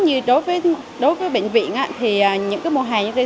như đối với bệnh viện thì những mùa hè như thế